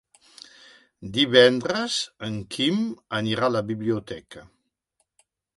Divendres en Quim anirà a la biblioteca.